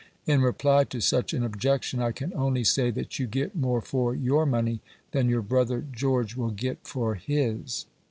In reply to such an objection, I can only say that you get more for your money than your brother George will get for his.